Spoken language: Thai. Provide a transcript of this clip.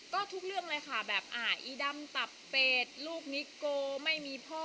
ก็ทุกเรื่องเลยค่ะแบบอีดำตับเป็ดลูกนิโกไม่มีพ่อ